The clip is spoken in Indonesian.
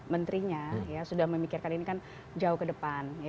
menterinya sudah memikirkan ini kan jauh ke depan